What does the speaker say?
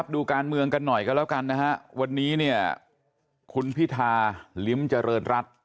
ดูการเมืองกันหน่อยกันแล้วกันนะฮะวันนี้เนี่ยคุณพิธาลิ้มเจริญรัฐ